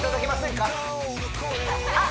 あっ